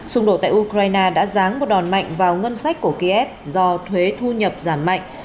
xung đột tại ukraine đã ráng một đòn mạnh vào ngân sách của kiev do thuế thu nhập giảm mạnh